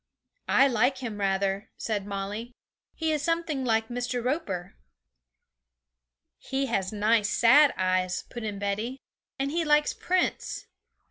'I like him rather,' said Molly; 'he is something like Mr. Roper.' 'He has nice sad eyes,' put in Betty; 'and he likes Prince.'